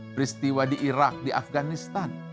peristiwa di irak di afganistan